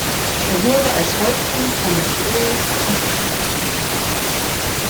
Er wurde als Häuptling von Boe zum König erkoren.